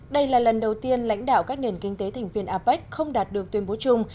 đây là lần đầu tiên lãnh đạo các nền kinh tế thành viên apec không đạt được tuyên bố chung